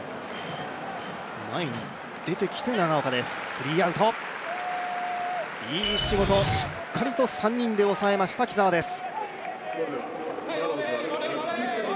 スリーアウト、いい仕事をしっかりと３人で抑えた木澤です。